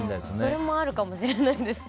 それもあるかもしれないです。